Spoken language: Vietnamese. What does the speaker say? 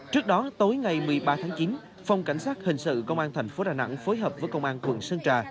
trước đó tối ngày một mươi ba tháng chín phòng cảnh sát hình sự công an thành phố đà nẵng phối hợp với công an quận sơn trà